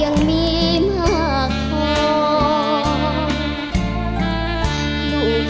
อันนี้ไม่ได้ติดต่อ